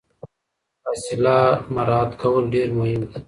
فاصله مراعات کول ډیر مهم دي.